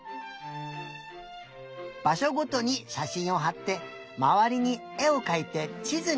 ばしょごとにしゃしんをはってまわりにえをかいてちずに。